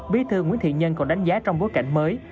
bí thư nguyễn thiện nhân còn đánh giá trong bối cảnh mới